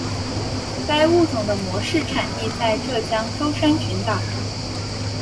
该物种的模式产地在浙江舟山群岛。